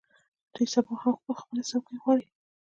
دوی سبا هم خپلې څوکۍ غواړي.